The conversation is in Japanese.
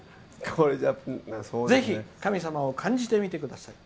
「ぜひ神様を感じてみてください」。